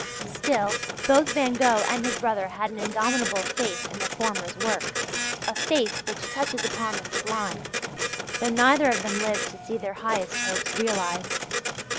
Still both Van Gogh and his brother had an indomitable faith in the former's work a faith which touches upon the sublime though neither of them lived to see their highest hopes realized.